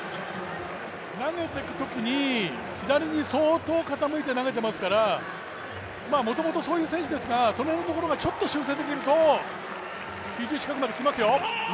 投げていくときに、左に相当傾いて投げていますから、もともとそういう選手ですが、その辺のところがちょっと修正できると９０近くまできますよ。